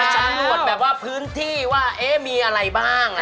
เห็นไหมครับ